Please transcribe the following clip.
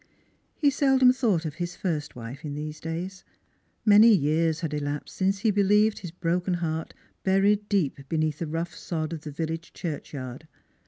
He seldom thought of his first wife in these days; many years had elapsed since he believed his broken heart buried deep beneath the rough sod of the village church yard.